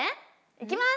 いきます！